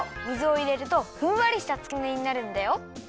水をいれるとふんわりしたつくねになるんだよ。